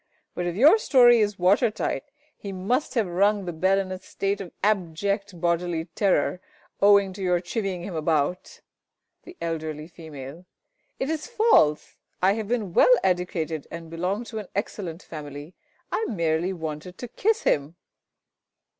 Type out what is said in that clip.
But if your story is watertight, he must have rung the bell in a state of abject bodily terror, owing to your chivying him about! The Eld. F. It is false! I have been well educated, and belong to an excellent family. I merely wanted to kiss him.